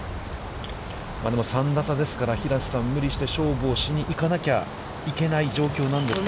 ３打差ですから、平瀬さん、無理して勝負をしにいかなきゃいけない状況なんですか。